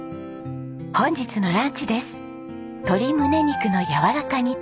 本日のランチです。